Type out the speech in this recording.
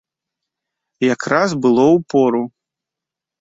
Якраз было ў пору.